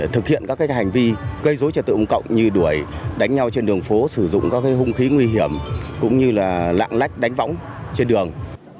thực hiện các hành vi gây rối trật tựu cộng như đuổi đánh nhau trên đường phố sử dụng các hung khí nguy hiểm cũng như lạng lách đánh võng trên đường